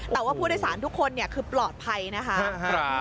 แต่ว่าผู้โดยสารทุกคนคือปลอดภัยนะคะ